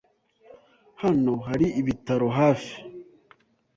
Hano hari ibitaro hafi?